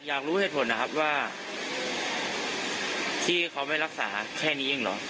อยากรู้เหตุผลนะครับว่าที่เขาไม่รักษาแค่นี้เองเหรอ